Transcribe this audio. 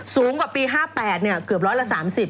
สูงกว่าปี๕๘เกือบร้อยละ๓๐